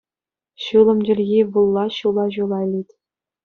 Ҫулӑм чӗлхи вулла ҫула-ҫула илет.